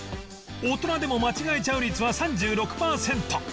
大人でも間違えちゃう率は３６パーセント